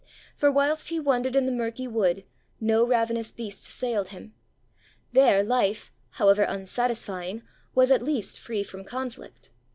For whilst he wandered in the murky wood no ravenous beasts assailed him. There, life, however unsatisfying, was at least free from conflict.